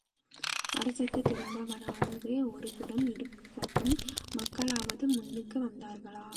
அரசுக்குத் திரும்ப வராதது ஒருபுறம் இருக்கட்டும் மக்களாவது முன்னுக்கு வந்தார்களா?